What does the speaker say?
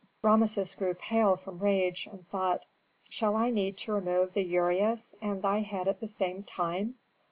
Rameses grew pale from rage, and thought: "Shall I need to remove the ureus and thy head at the same time?"